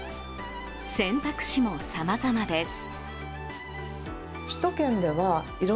選択肢もさまざまです。